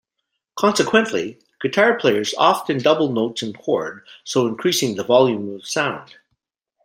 Consequently, guitar players often double notes in chord, so increasing the volume of sound.